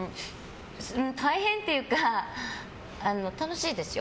大変っていうか楽しいですよ。